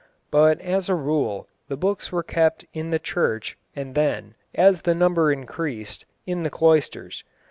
But as a rule the books were kept in the church, and then, as the number increased, in the cloisters.